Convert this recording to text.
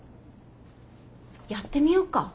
やってみようか。